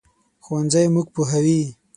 ښوونځی موږ پوهوي